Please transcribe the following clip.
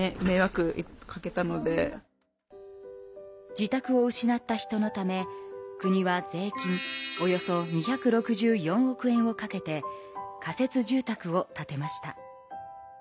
自宅を失った人のため国は税金およそ２６４億円をかけて仮設住宅を建てました。